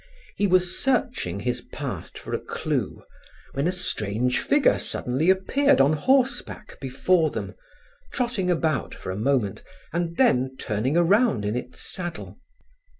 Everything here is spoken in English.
He was searching his past for a clue, when a strange figure suddenly appeared on horse back before them, trotting about for a moment and then turning around in its saddle.